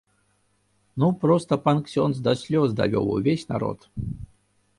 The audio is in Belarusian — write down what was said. Ну проста пан ксёндз да слёз давёў увесь народ.